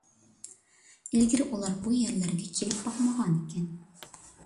ئىلگىرى ئۇلار بۇ يەرلەرگە كېلىپ باقمىغانىكەن.